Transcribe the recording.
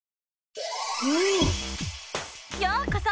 ようこそ！